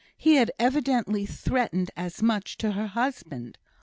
He had evidently threatened as much to her husband.